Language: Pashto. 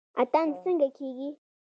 اتن څنګه کیږي؟